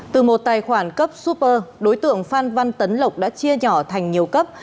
từ một tài khoản cấp super đối tượng phan văn tấn lộc đã chia nhỏ thành nhiều cấp